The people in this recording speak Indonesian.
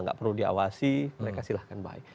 nggak perlu diawasi mereka silahkan baik